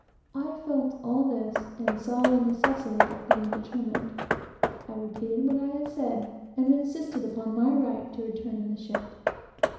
I felt all this, and saw the necessity of being determined. I repeated what I had said, and insisted upon my right to return in the ship.